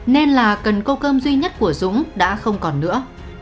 nên là cần cô cơm duy nhất của dũng đã không còn nữa